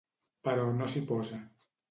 Però no s'hi posa.